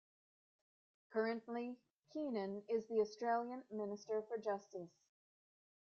Currently, Keenan is the Australian Minister for Justice.